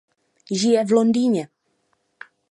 Žije v Londýně.